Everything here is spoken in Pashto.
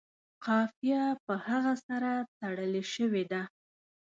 قافیه په هغه سره تړلې شوې ده.